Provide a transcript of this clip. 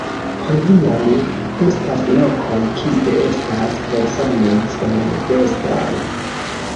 Hodiaŭ estas lokoj kie estas personoj sen vestoj.